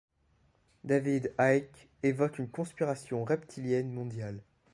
David Icke évoque une conspiration reptilienne mondiale.